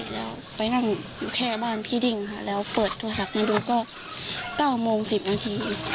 แล้วไปนั่งอยู่แค่บ้านพี่ดิ้งค่ะแล้วเปิดโทรศัพท์มาดูก็๙โมง๑๐นาที